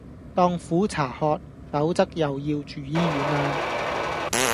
當苦茶喝，否則又要住醫院啦